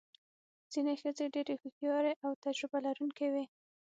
ځینې ښځې ډېرې هوښیارې او تجربه لرونکې وې.